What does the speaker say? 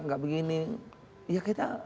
nggak begini ya kita